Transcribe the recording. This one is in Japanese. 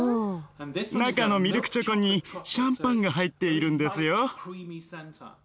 中のミルクチョコにシャンパンが入っているんですよ。